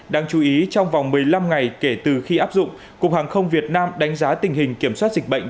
đáng chú ý trong vòng một mươi năm ngày kể từ khi áp dụng cục hàng không việt nam đánh giá tình hình kiểm soát dịch bệnh